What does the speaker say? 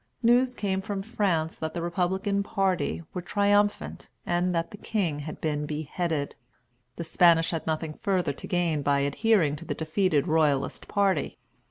News came from France that the Republican party were triumphant, and that the king had been beheaded. The Spanish had nothing further to gain by adhering to the defeated Royalist party.